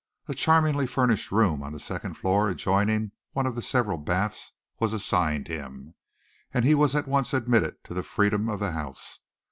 A charmingly furnished room on the second floor adjoining one of the several baths was assigned him, and he was at once admitted to the freedom of the house.